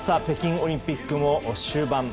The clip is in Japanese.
北京オリンピックも終盤。